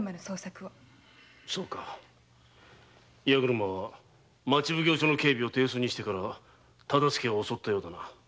そうか八車は町奉行所の警備を手薄にしてから大岡を襲ったようだな。